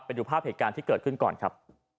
ไปดูภาพเหตุการณ์ที่เกิดขึ้นก่อนครับ